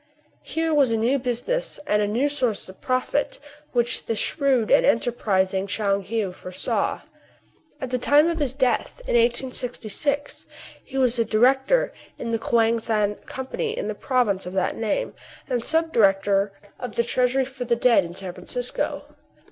Here was a new business, and a new source of profit, which the shrewd and enterprising Tchoung Heou foresaw. At the time of his death, in 1866, he was a director in the Kouang Than Company in the province of that name, and sub director of the Treasury for the Dead in San Francisco.